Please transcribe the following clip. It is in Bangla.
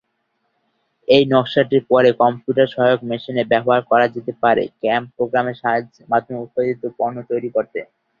এই নকশাটি পরে কম্পিউটার-সহায়ক মেশিনে ব্যবহার করা যেতে পারে ক্যাম প্রোগ্রামের মাধ্যমে উৎপাদিত পণ্য তৈরি করতে।